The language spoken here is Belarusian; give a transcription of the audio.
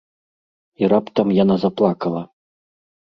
І раптам яна заплакала.